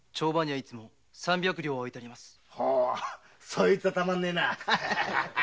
そいつはたまんねえな。